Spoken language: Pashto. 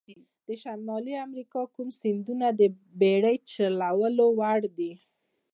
د شمالي امریکا کوم سیندونه د بېړۍ چلولو وړ دي؟